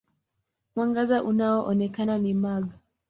Mwangaza unaoonekana ni mag.